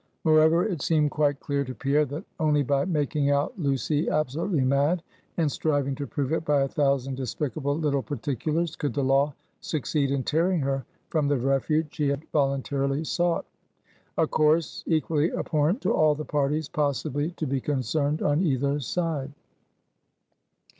Moreover, it seemed quite clear to Pierre, that only by making out Lucy absolutely mad, and striving to prove it by a thousand despicable little particulars, could the law succeed in tearing her from the refuge she had voluntarily sought; a course equally abhorrent to all the parties possibly to be concerned on either side.